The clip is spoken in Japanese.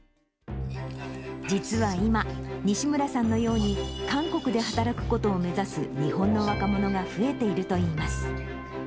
実は今、西村さんのように、韓国で働くことを目指す日本の若者が増えているといいます。